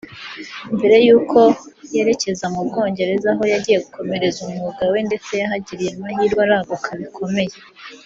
mbere y’uko yerekeza mu Bwongereza aho yagiye gukomereza umwuga we ndetse yanahagiriye amahirwe araguka bikomeye